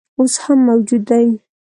اوس هم موجود دی.